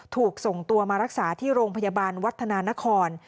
ถูกส่งตัวมารักษาที่โรงพยาบาลวัฒนานคร